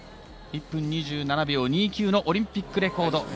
１分２７秒２９のオリンピックレコード。